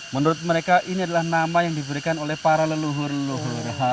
menurut mereka ini adalah nama yang diberikan oleh para leluhur leluhur